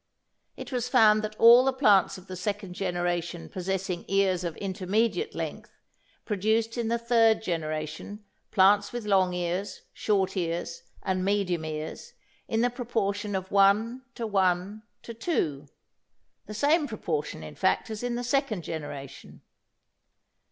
It was found that all the plants of the second generation possessing ears of intermediate length produced in the third generation plants with long ears, short ears, and medium ears in the proportion of 1 : 1 : 2, the same proportion in fact as in the second generation.